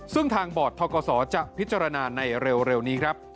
ซึ่งทางบอร์ดทกศจะพิจารณาในเร็วนี้ครับ